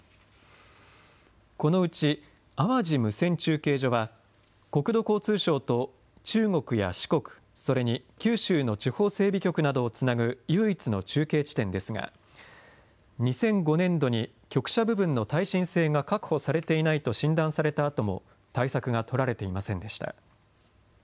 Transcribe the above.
このうち淡路無線中継所は国土交通省と中国や四国、それに九州の地方整備局などをつなぐ唯一の中継地点ですが２００５年度に局舎部分の耐震性が確保されていないと診断されたあとも対策が取られていませんでした。